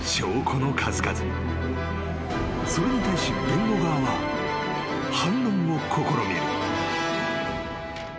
［それに対し弁護側は反論を試みる］